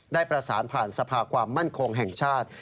ได้ประสานผ่านสภาความมั่นคงแห่งชาติ